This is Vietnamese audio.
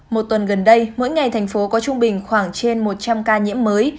một tuần gần đây mỗi ngày thành phố có trung bình khoảng trên một trăm linh ca nhiễm mới